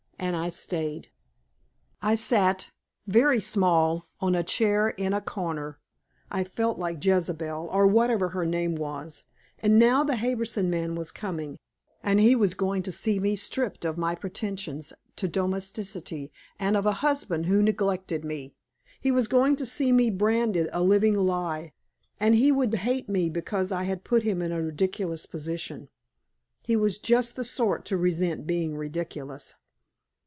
And I stayed. I sat, very small, on a chair in a corner. I felt like Jezebel, or whatever her name was, and now the Harbison man was coming, and he was going to see me stripped of my pretensions to domesticity and of a husband who neglected me. He was going to see me branded a living lie, and he would hate me because I had put him in a ridiculous position. He was just the sort to resent being ridiculous.